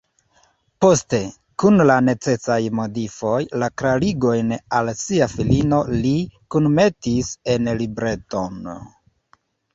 Poste, kun la necesaj modifoj, la klarigojn al sia filino li kunmetis en libreton.